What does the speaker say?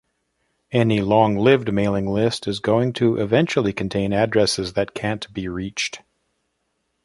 Any long-lived mailing list is going to eventually contain addresses that can't be reached.